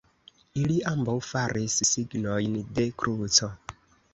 Ili ambaŭ faris signojn de kruco.